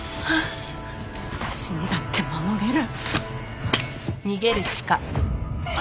私にだって守れる！